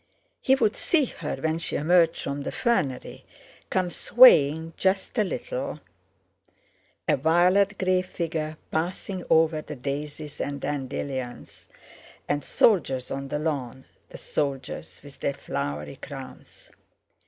He would see her when she emerged from the fernery, come swaying just a little, a violet grey figure passing over the daisies and dandelions and "soldiers" on the lawn—the soldiers with their flowery crowns.